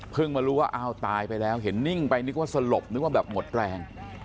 มารู้ว่าอ้าวตายไปแล้วเห็นนิ่งไปนึกว่าสลบนึกว่าแบบหมดแรง